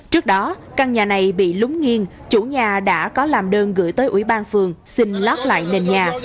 trước đó căn nhà này bị lúng nghiêng chủ nhà đã có làm đơn gửi tới ủy ban phường xin lót lại nền nhà